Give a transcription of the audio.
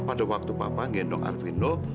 pada waktu papa ngendong arvindo